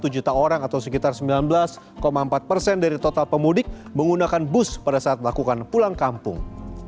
lima puluh satu juta orang atau sekitar sembilan belas empat dari total pemudik menggunakan bus pada saat melakukan pulang kampung